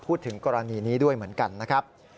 พูดถึงกรณีนี้ด้วยเหมือนกันนะครับ